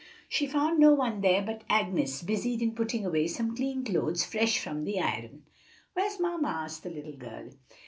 She found no one there but Agnes busied in putting away some clean clothes, fresh from the iron. "Where's mamma?" asked the little girl.